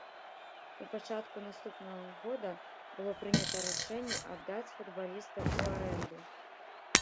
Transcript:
У пачатку наступнага года было прынята рашэнне аддаць футбаліста ў арэнду.